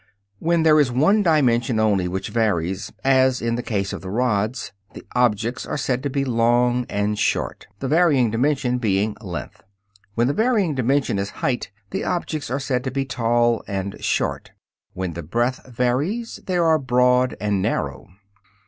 When there is one dimension only which varies, as in the case of the rods, the objects are said to be "long" and "short," the varying dimension being length. When the varying dimension is height, the objects are said to be "tall" and "short"; when the breadth varies, they are "broad" and "narrow."